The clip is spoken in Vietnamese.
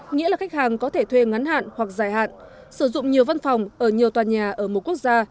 nghĩa là khách hàng có thể thuê ngắn hạn hoặc dài hạn sử dụng nhiều văn phòng ở nhiều tòa nhà ở một quốc gia